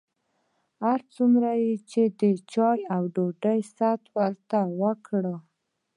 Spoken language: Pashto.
هر څومره یې چې د چایو او ډوډۍ ست ورته وکړ.